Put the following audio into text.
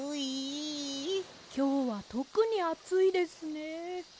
きょうはとくにあついですね。